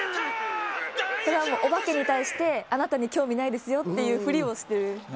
これはお化けに対してあなたに興味ないですよってふりをしてる。